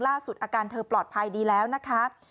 อาการเธอปลอดภัยดีแล้วนะคะ